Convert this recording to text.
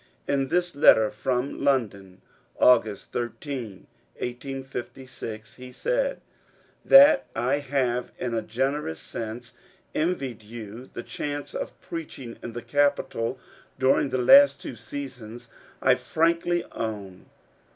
In this letter, from London, August 13, 1856, he said: — That I have, in a generous sense, envied you the chance of preaching in the capital during the last two seasons, I frankly own.